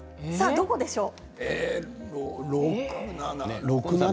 どこでしょう？